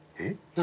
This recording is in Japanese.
何？